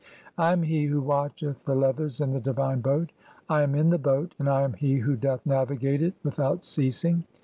I am he who watcheth "the leathers in (8) the divine boat, I am in the boat, and I am "he who doth navigate it without ceasing.